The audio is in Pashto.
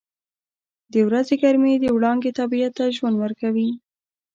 • د ورځې ګرمې وړانګې طبیعت ته ژوند ورکوي.